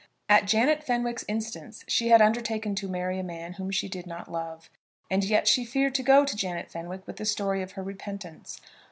At Janet Fenwick's instance she had undertaken to marry a man whom she did not love; and yet she feared to go to Janet Fenwick with the story of her repentance.